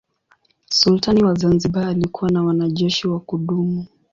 Sultani wa Zanzibar alikuwa na wanajeshi wa kudumu.